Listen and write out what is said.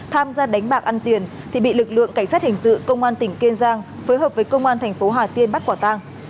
tham gia đánh bạc ăn tiền thì bị lực lượng cảnh sát hình sự công an tỉnh kiên giang phối hợp với công an thành phố hà tiên bắt quả tang